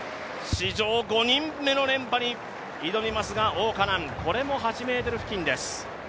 史上５人目の連覇に挑みますが、王嘉男これも８ｍ付近です。